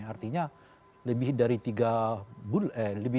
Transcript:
artinya lebih dari